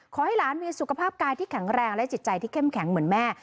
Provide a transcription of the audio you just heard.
ขอให้หลานมีสุขภาพกายที่แข็งแรงและจิตใจที่เข้มแข็งเหมือนแม่